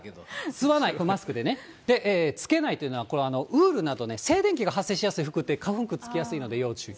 吸わない、マスクでね、付けないというのは、これ、ウールなどね、静電気が発生しやすい服って花粉くっつきやすいので要注意。